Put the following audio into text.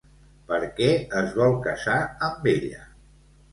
Per què es vol casar amb ella?